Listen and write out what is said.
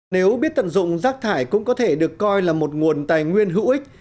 nếu biết tận dụng rác thải cũng có thể được coi là một nguồn tài nguyên hữu ích